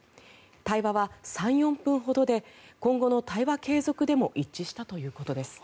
対話は３４分ほどで今後の対話継続でも一致したということです。